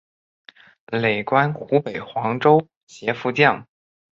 累官湖北黄州协副将。